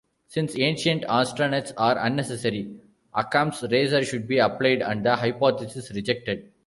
Since ancient astronauts are unnecessary, Occam's razor should be applied and the hypothesis rejected.